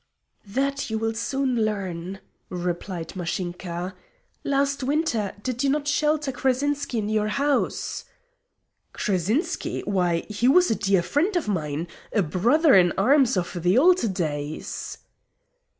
"That you will soon learn," replied Mashinka. "Last winter did you not shelter Krazinski in your house?" "Krazinski! Why, he was a dear friend of mine a brother in arms of the old days."